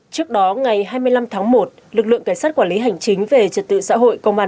trước đó ngày hai mươi năm tháng một lực lượng cảnh sát quản lý hành chính về trật tự xã hội công an